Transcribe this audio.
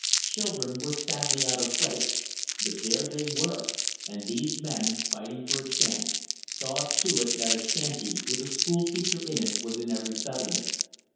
Children were sadly out of place, but there they were, and these men, fighting for a chance, saw to it that a shanty, with a school teacher in it, was in every settlement.